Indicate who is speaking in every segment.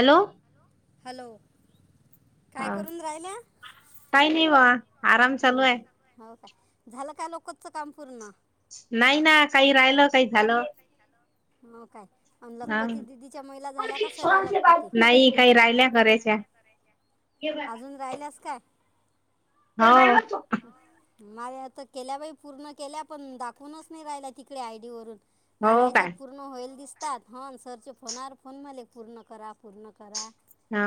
Speaker 1: Hello.
Speaker 2: Hello.
Speaker 1: हा
Speaker 2: काय करून राहिल्या
Speaker 1: काही नाही बा आराम चालू
Speaker 2: हं,
Speaker 1: हाय.
Speaker 2: हो झालं का लोकलचं काम पूर्ण?
Speaker 1: नाही ना काही राहिलं. काही झालं.
Speaker 2: हो. काय आणि
Speaker 1: हा
Speaker 2: लखपती दिदीच्या महिला झाल्या का सर्व लखपती
Speaker 1: नाही काही राहिल्या करायच्या.
Speaker 2: अजून राहिल्यास काय?
Speaker 1: हा.
Speaker 2: माझं आता केल्या बाई पूर्ण केल्या पण, दाखवूनच नाही राहिल्या तिकडे आय डी वरून.
Speaker 1: हो
Speaker 2: मालाच्यात
Speaker 1: काय
Speaker 2: पूर्ण होईल दिस तात हा सरचे फोनवर फोन मले पूर्ण करा. पूर्ण करा.
Speaker 1: हा.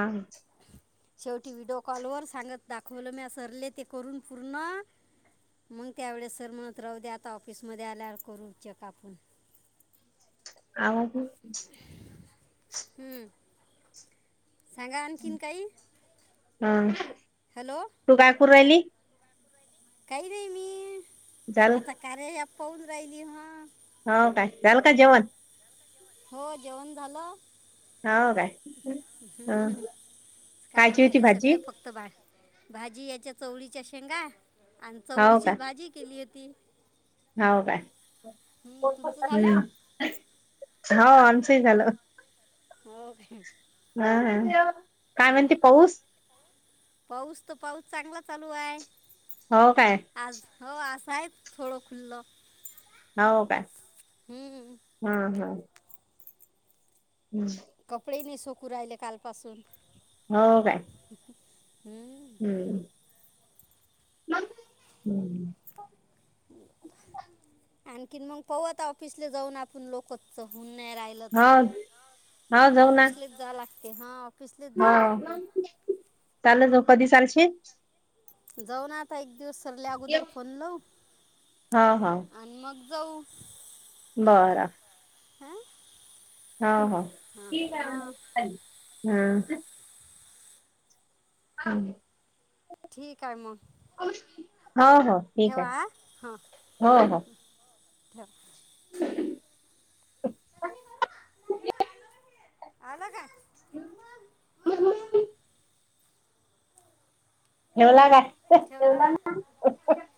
Speaker 2: शेवटी व्हिडिओ कॉल वर सांगत दाखवलं मी सरले ते करून पूर्ण मग त्यावेळेस सर म्हणत राहू दे आता ऑफिसमध्ये आल्यावर करू चेक आपण. [unintelligible]
Speaker 1: [unintelligible]
Speaker 2: हम्म्. सांगा आणखीन काही.
Speaker 1: ह
Speaker 2: हॅलो
Speaker 1: तू काय करून राहिली?
Speaker 2: काही नाही. मी
Speaker 1: झाल
Speaker 2: आता कार्य ॲप पाहून राहिली ह.
Speaker 1: हो काय. झालं का जेवण?
Speaker 2: हो. जेवण झालं.
Speaker 1: हो काय.
Speaker 2: कामं
Speaker 1: कायची होती
Speaker 2: झाले
Speaker 1: भाजी?
Speaker 2: सगळे फक्त भा भाजी याच्या चवळीच्या शेंगा आणि
Speaker 1: हो काय
Speaker 2: चवळीचीच भाजी केली होती.
Speaker 1: हो काय.
Speaker 2: हं,
Speaker 1: हो.
Speaker 2: तुमचं झालं
Speaker 1: आमचंही झालं.
Speaker 2: हो का?
Speaker 1: ह काय म्हणती पाऊस?
Speaker 2: पाऊस तर पाऊस चांगला चालू हाय
Speaker 1: हो काय
Speaker 2: आज. हो आज. साहेब थोडं खुल्लो.
Speaker 1: हो का.
Speaker 2: हं.
Speaker 1: हम, हम. हम्.
Speaker 2: कपडे नाही सोकू राहिले कालपासून.
Speaker 1: हो काय
Speaker 2: हम्म.
Speaker 1: हम्म हम्म.
Speaker 2: आणखीन मग पवत ऑफिसले जाऊन आपण लोकच चहून. नाही राहिलं
Speaker 1: हो
Speaker 2: तर ऑफिसलाच जा लागते हा.
Speaker 1: हा चाले कधी सांगशील.
Speaker 2: जाऊ ना आता एक दिवस सरल्या अगोदर फोन लाव
Speaker 1: हो
Speaker 2: आणि मग. जाऊ.
Speaker 1: बरं.
Speaker 2: हम.
Speaker 1: ह ह ठीक
Speaker 2: हां
Speaker 1: आहे हम्म. हा.
Speaker 2: ठीक आहे मग.
Speaker 1: हो हो ठीक आहे
Speaker 2: ठेवा हां
Speaker 1: हो हो.
Speaker 2: ठेव.
Speaker 1: [unintelligible]
Speaker 2: आला का.
Speaker 1: [unintelligible] एवला का एवला ना [unintelligible]